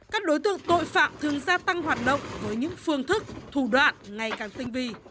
các đối tượng tội phạm thường gia tăng hoạt động với những phương thức thủ đoạn ngày càng tinh vi